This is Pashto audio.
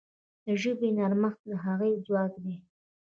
د ژبې نرمښت د هغې ځواک دی.